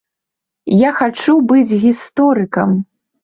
Я хачу быць гісторыкам.